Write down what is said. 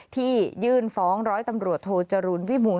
ยื่นฟ้องร้อยตำรวจโทจรูลวิมูล